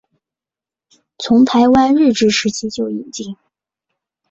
从台湾日治时期就引进。